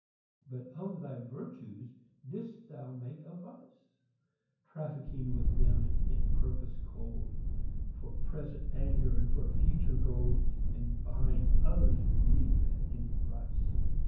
But of thy virtues didst thou make a vice, Trafficking with them in a purpose cold, For present anger, and for future gold And buying others' grief at any price.